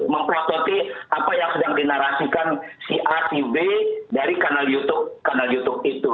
memprototi apa yang sedang dinarasikan si rtb dari kanal youtube itu